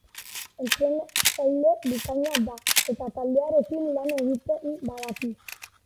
Entrenatzaile bikaina da, eta taldearekin lan egiten badaki.